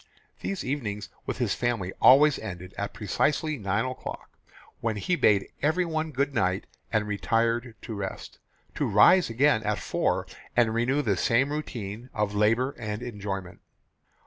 These evenings with his family always ended at precisely nine o'clock, when he bade everyone good night and retired to rest, to rise again at four and renew the same routine of labour and enjoyment.